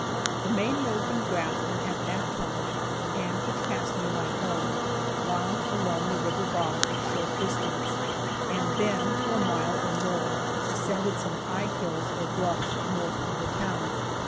The main road from Grafton, at that time, and which passed near my home, wound along the river bottom a short distance, and then, for a mile or more, ascended some high hills or bluffs north of the town.